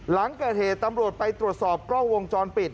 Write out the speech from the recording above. หลังเกิดเหตุตำรวจไปตรวจสอบกล้องวงจรปิด